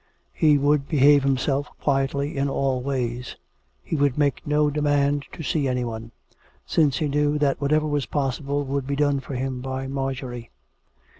He would behave himself quietly in all ways: he would make no demand to see anyone; since he knew that what ever was possible would be done for him by Marjorie.